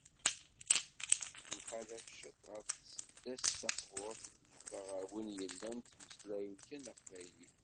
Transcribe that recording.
Temxalaf ciṭ ɣef tseddast taqburt i d-nufa ɣer wid yellan ttmeslayen kan taqbaylit.